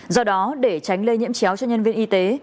do đó để tránh lây nhiễm chéo cho nhân viên y tế